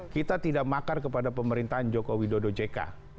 kita tidak makar kepada pemerintahan joko widodo jk